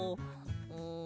うん。